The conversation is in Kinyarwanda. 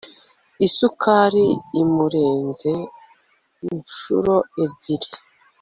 isukari imurenze iinshuro ebyiri